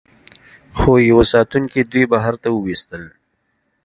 خو یوه ساتونکي دوی بهر ته وویستل